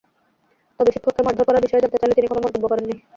তবে শিক্ষককে মারধর করার বিষয়ে জানতে চাইলে তিনি কোনো মন্তব্য করেননি।